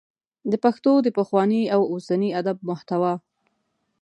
د پښتو د پخواني او اوسني ادب محتوا